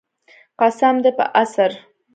قسم دی په عصر.